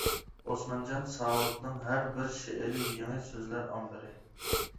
ئوسمانجان ساۋۇتنىڭ ھەر بىر شېئىرى يېڭى سۆزلەر ئامبىرى.